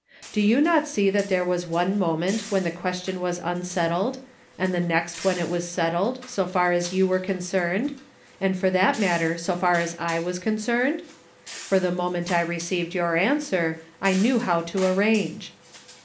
Do you not see that there was one moment when the question was unsettled, and the next it was settled, so far as you were concerned, and for that matter so far as I was concerned? for the moment I received your answer I knew how to arrange.